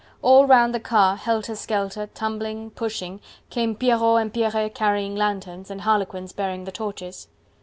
All round the car, helter skelter, tumbling, pushing, came Pierrots and Pierrettes, carrying lanthorns, and Harlequins bearing the torches.